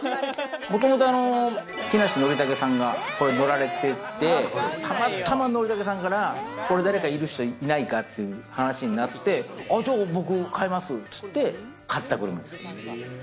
もともと木梨憲武さんがこれ乗られてて、たまたま憲武さんから、これ誰かいる人いないか？って話になって、じゃあ僕買いますっつって買った車です。